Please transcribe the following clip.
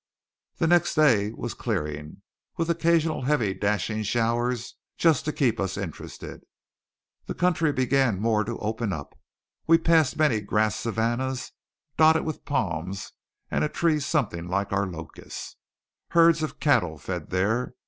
The next day was clearing, with occasional heavy dashing showers, just to keep us interested. The country began more to open up. We passed many grass savannahs dotted with palms and a tree something like our locust. Herds of cattle fed there.